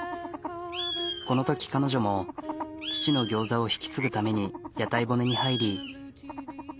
このとき彼女も父のギョーザを引き継ぐために屋台骨に入り。